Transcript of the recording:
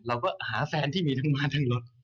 เราก็หาแฟนที่มีทั้งบ้านทั้งรถ